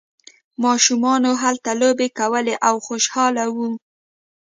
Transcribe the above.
ماشومان هلته لوبې کولې او خوشحاله وو.